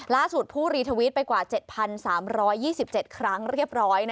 ผู้รีทวิตไปกว่า๗๓๒๗ครั้งเรียบร้อย